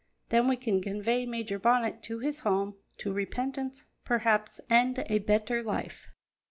Then we can convey Major Bonnet to his home, to repentance, perhaps, and a better life."